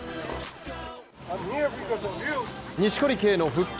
錦織圭の復帰